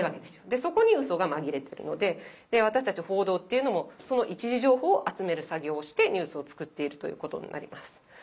そこにウソが紛れているので私たち報道っていうのもその一次情報を集める作業をしてニュースを作っているということになります。